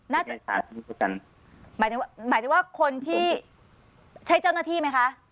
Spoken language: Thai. น่าจะขาดที่ด้วยกันหมายถึงหมายถึงว่าคนที่ใช้เจ้าหน้าที่ไหมคะ